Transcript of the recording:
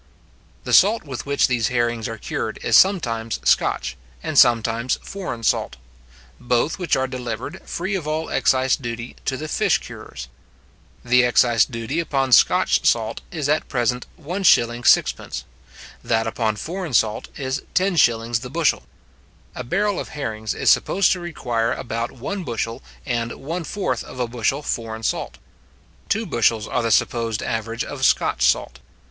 The salt with which these herrings are cured is sometimes Scotch, and sometimes foreign salt; both which are delivered, free of all excise duty, to the fish curers. The excise duty upon Scotch salt is at present 1s:6d., that upon foreign salt 10s. the bushel. A barrel of herrings is supposed to require about one bushel and one fourth of a bushel foreign salt. Two bushels are the supposed average of Scotch salt.